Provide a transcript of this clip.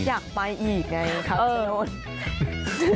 อยากไปอีกไงครับฉะนั้น